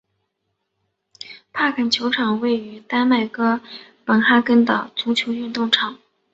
帕肯球场位于丹麦哥本哈根的足球运动场。